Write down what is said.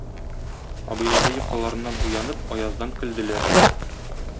Абыйлары йокыларыннан уянып Аяздан көлделәр.